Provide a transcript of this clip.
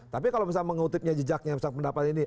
tapi kalau misalnya mengutipnya jejaknya misalnya pendapat ini